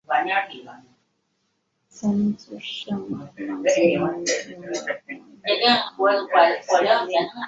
曾祖盛珰曾为吴越国余杭县令。